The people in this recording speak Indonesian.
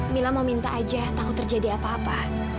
mila mau minta aja takut terjadi apa apa